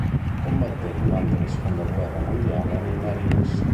Combatté durante la seconda guerra mondiale nei Marines.